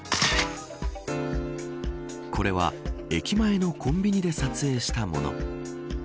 これは、駅前のコンビニで撮影したもの。